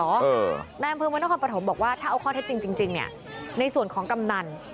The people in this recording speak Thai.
เออนายอำเภอมันต้องความประถมบอกว่าถ้าเอาข้อที่จริงเนี่ยในส่วนของกำนัน